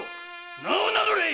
名を名乗れっ‼